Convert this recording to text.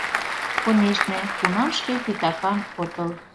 Конешне, кунам шке титакан отыл.